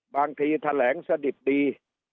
บางทีแถลงสะดิบดี